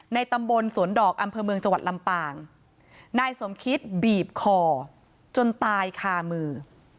ในตำบลสวนดอกอำเภอเมืองจังหวัดลำปางนายสมคิดบีบคอจนตายคามือ